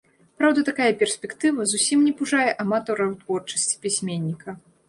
Праўда, такая перспектыва зусім не пужае аматараў творчасці пісьменніка.